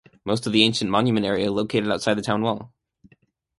Most of the ancient monument area located outside the town wall.